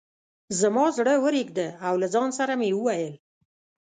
زما زړه ورېږده او له ځان سره مې وویل.